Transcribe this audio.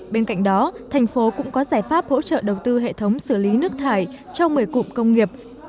bên cạnh đó thành phố cũng có giải pháp hỗ trợ đầu tư hệ thống xử lý nước thải cho một mươi cụm công nghiệp